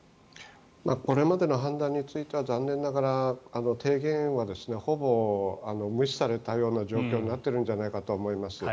これまでの判断については残念ながら提言はほぼ無視されたような状況になっていると思います。